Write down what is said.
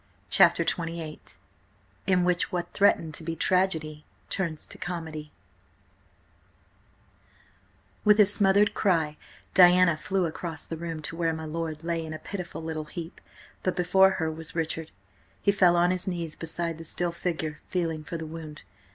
CHAPTER XXVIII IN WHICH WHAT THREATENED TO BE TRAGEDY TURNS TO COMEDY WITH a smothered cry Diana flew across the room to where my lord lay in a pitiful little heap, but before her was Richard. He fell on his knees beside the still figure, feeling for the wound.